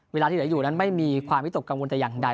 เวลาที่เหลืออยู่นั้นไม่มีความวิตกกังวลแต่อย่างใด